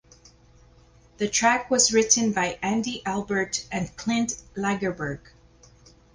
The track was written by Andy Albert and Clint Lagerberg.